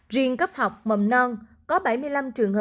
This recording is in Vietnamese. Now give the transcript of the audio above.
riêng cấp học mầm non có bảy mươi năm trường hợp